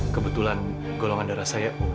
kebetulan golongan darah saya